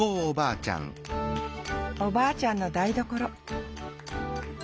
おばあちゃんの台所